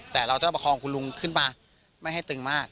แต่เราจะประคองคุณลุงขึ้นมาไม่ให้ตึงมาก